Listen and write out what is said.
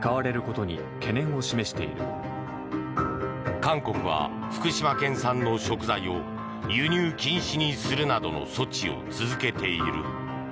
韓国は福島県産の食材を輸入禁止にするなどの措置を続けている。